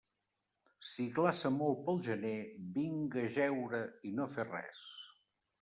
Si glaça molt pel gener, vinga jeure i no fer res.